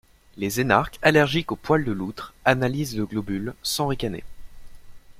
Les énarques allergiques aux poils de loutre analysent le globule sans ricaner.